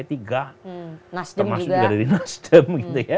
termasuk juga dari nasdem